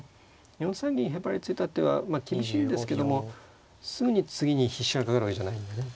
４三銀へばりついた手はまあ厳しいんですけどもすぐに次に必至がかかるわけじゃないんでね。